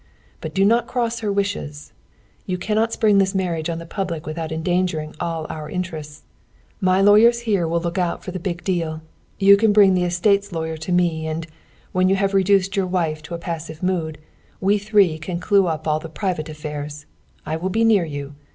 "But do not cross her wishes. You cannot spring this marriage on the public without endangering all our interests. My lawyers here will look out for the big deal. You can bring the estate's lawyer to me, and, when you have reduced your wife to a passive mood, we three can clue up all the private affairs. I will be near you.